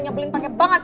nyebelin pakai banget